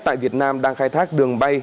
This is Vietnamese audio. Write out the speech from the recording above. tại việt nam đang khai thác đường bay